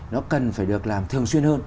nó cần phải được làm thường xuyên hơn